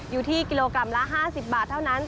อยู่ที่กิโลกรัมละ๕๐บาทเท่านั้น